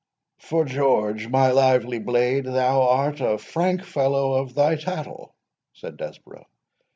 "'Fore George, my lively blade, thou art a frank fellow of thy tattle," said Desborough.